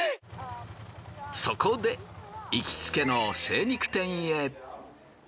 そこで行きつけの精肉店へ。